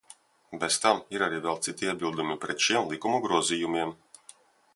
Bez tam ir arī vēl citi iebildumi pret šiem likumu grozījumiem.